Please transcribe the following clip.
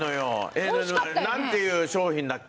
えっなんていう商品だっけ？